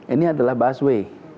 ini adalah busway